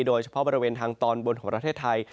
โดยเฉพาะบริเวณทางตอนบนของประเทศไทย